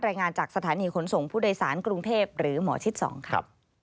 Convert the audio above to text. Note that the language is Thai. รายงานจากสถานีขนส่งผู้โดยสารกรุงเทพหรือหมอชิด๒ครับ